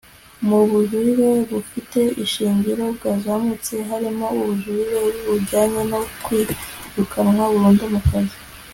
mu bujurire bufite ishingiro bwazamutse harimo ubujurire bujyanye no kwirukanwa burundu mu kazi